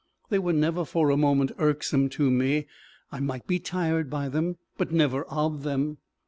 They were never for a moment irksome to me; I might be tired by them, but never of them.